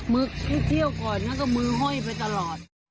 ให้เที่ยวก่อนแล้วก็มือห้อยไปตลอด